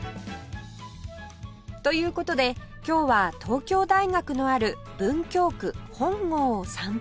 という事で今日は東京大学のある文京区本郷を散歩